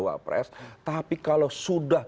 wapres tapi kalau sudah